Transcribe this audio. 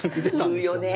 言うよね。